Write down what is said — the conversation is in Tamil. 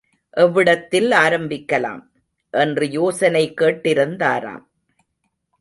எவ்விடத்தில் ஆரம்பிக்கலாம்? என்று யோசனை கேட்டிருந்தாராம்.